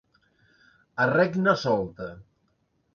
A regna solta.